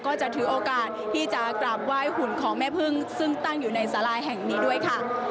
ก็จะถือโอกาสที่จะกราบไหว้หุ่นของแม่พึ่งซึ่งตั้งอยู่ในสาราแห่งนี้ด้วยค่ะ